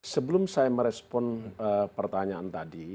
sebelum saya merespon pertanyaan tadi